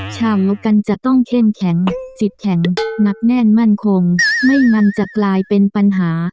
เรากันจะต้องเข้มแข็งจิตแข็งหนักแน่นมั่นคงไม่งั้นจะกลายเป็นปัญหา